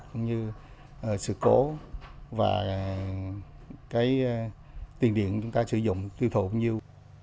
cũng như sự cố và cái tiền điện chúng ta sử dụng tiêu thụ cũng như